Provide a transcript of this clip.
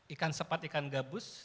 ikan sepat ikan gabus